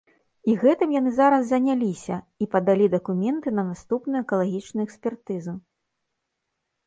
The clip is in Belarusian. І гэтым яны зараз заняліся, і падалі дакументы на наступную экалагічную экспертызу.